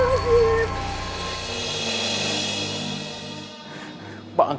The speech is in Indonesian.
semoga allah mengatakan